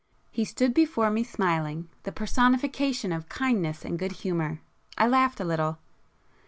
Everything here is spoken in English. He stood before me smiling, the personification of kindness and good humour. I laughed a little.